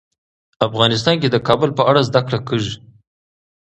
افغانستان کې د کابل په اړه زده کړه کېږي.